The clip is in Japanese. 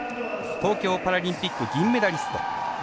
東京パラリンピック銀メダリスト。